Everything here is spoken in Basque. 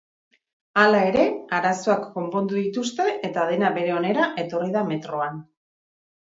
Hala ere, arazoak konpondu dituzte eta dena bere onera etorri da metroan.